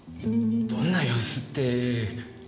どんな様子って別に。